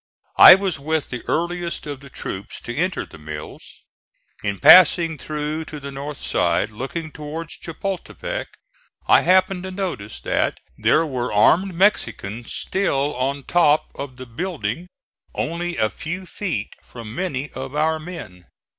I was with the earliest of the troops to enter the Mills. In passing through to the north side, looking towards Chapultepec, I happened to notice that there were armed Mexicans still on top of the building, only a few feet from many of our men.